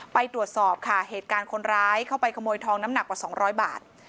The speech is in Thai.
ไปตรวจสอบค่ะเหตุการณ์คนร้ายเข้าไปขโมยทองน้ำหนักกว่า๒๐๐บาท